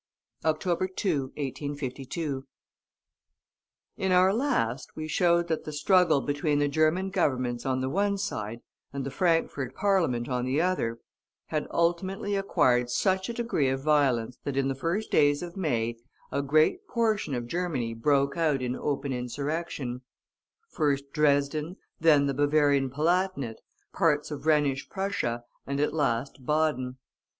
OCTOBER 2, 1852. In our last we showed that the struggle between the German Governments on the one side, and the Frankfort Parliament on the other, had ultimately acquired such a degree of violence that in the first days of May, a great portion of Germany broke out in open insurrection; first Dresden, then the Bavarian Palatinate, parts of Rhenish Prussia, and at last Baden.